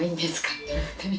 って。